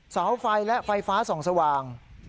เสาไฟและไฟฟ้าส่องสว่าง